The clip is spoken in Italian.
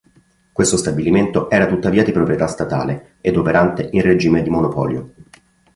Questo stabilimento era tuttavia di proprietà statale ed operante in regime di monopolio.